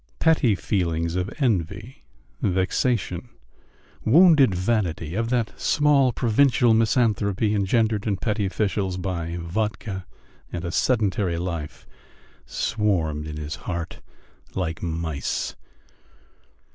Petty feelings of envy, vexation, wounded vanity, of that small, provincial misanthropy engendered in petty officials by vodka and a sedentary life, swarmed in his heart like mice.